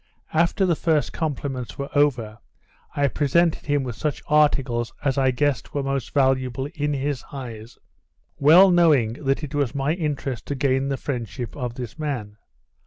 After the first compliments were over, I presented him with such articles as I guessed were most valuable in his eyes; well knowing that it was my interest to gain the friendship of this man.